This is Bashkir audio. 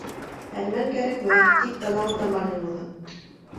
Әрмән кәрәкмәй, тик танауы нормальный булһын.